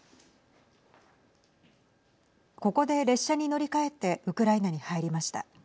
ここで列車に乗り換えてウクライナに入りました。